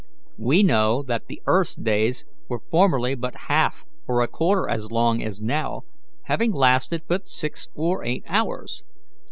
We know that the earth's days were formerly but half or a quarter as long as now, having lasted but six or eight hours.